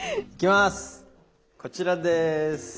こちらです。